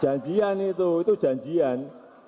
janjian itu itu janjian